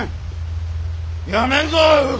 やめんぞ！